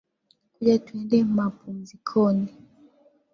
Kuja tuende mapumzikoni